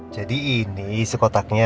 jadi ini isi kotaknya